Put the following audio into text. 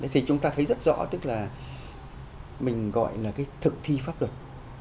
thì chúng ta thấy rất rõ tức là mình gọi là cái thực thi pháp luật